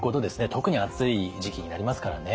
特に暑い時期になりますからね。